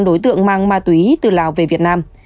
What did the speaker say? đối tượng mang ma túy từ lào về việt nam